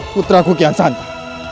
putraku kian santai